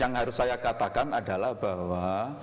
yang harus saya katakan adalah bahwa